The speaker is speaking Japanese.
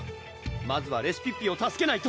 まずはレシピッピを助けないと！